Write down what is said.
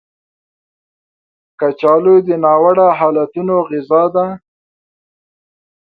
کچالو د ناوړه حالتونو غذا ده